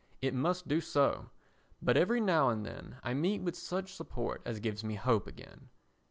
It must do so. But every now and then I meet with such support as gives me hope again.